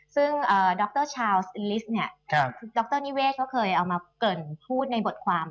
ซึ่งอ่าดรชาร์ลสเนี่ยครับดรนีเวชเค้าเคยเอามาเกินพูดในบทความ